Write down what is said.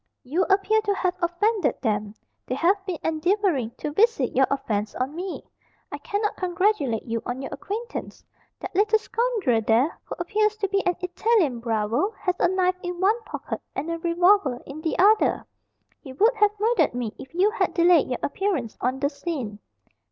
You appear to have offended them. They have been endeavouring to visit your offence on me. I cannot congratulate you on your acquaintance. That little scoundrel there, who appears to be an Italian bravo, has a knife in one pocket, and a revolver in the other. He would have murdered me if you had delayed your appearance on the scene."